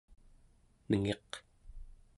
nengiq